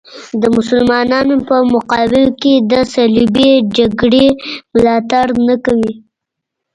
د مسلمانانو په مقابل کې د صلیبي جګړې ملاتړ نه کوي.